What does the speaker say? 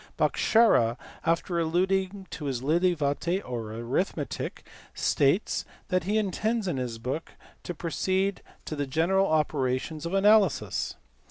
Bhaskara after alluding to his Lilavati or arithmetic states that he intends in this book to proceed to the general operations of analysis.